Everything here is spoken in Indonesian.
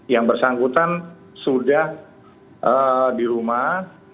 yang bersangkutan sudah di rumah